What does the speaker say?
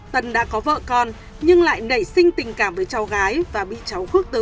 tân đã có vợ con nhưng lại nảy sinh tình cảm với cháu gái và bị cháu khước từ